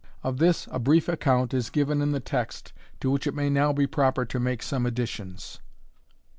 Of this, a brief account is given in the text, to which it may now be proper to make some additions.